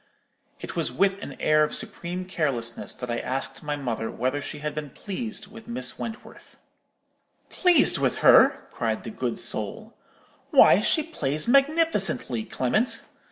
It was with an air of supreme carelessness that I asked my mother whether she had been pleased with Miss Wentworth. "'Pleased with her!' cried the good soul; 'why, she plays magnificently, Clement.